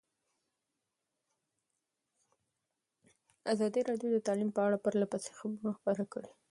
ازادي راډیو د تعلیم په اړه پرله پسې خبرونه خپاره کړي.